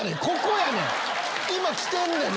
今来てんねん！